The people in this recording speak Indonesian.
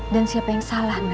dan siapa yang salah nenek